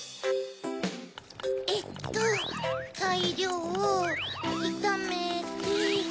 えっとざいりょうをいためて。